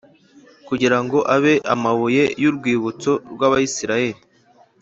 kugira ngo abe amabuye y urwibutso rw Abisirayeli